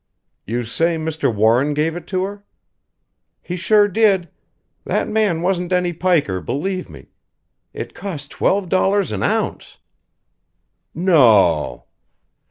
"You say Mr. Warren gave it to her?" "He sure did. That man wasn't any piker, believe me. It costs twelve dollars an ounce!" "No?"